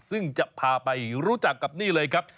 ซึ่งจะพาไปรู้จักกับนี่เลยครับ